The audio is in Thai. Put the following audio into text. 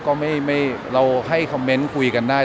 ก็ไม่เราให้คอมเมนต์คุยกันได้